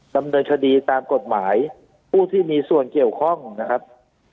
ดำเนินคดีตามกฎหมายผู้ที่มีส่วนเกี่ยวข้องนะครับ